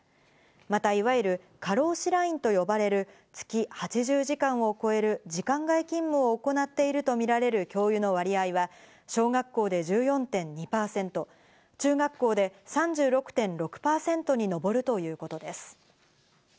また、いわゆる過労死ラインと呼ばれる月８０時間を超える時間外勤務を行っているとみられる教諭の割合は、小学校で１４．２％、中学校で３６．６％に上るということです。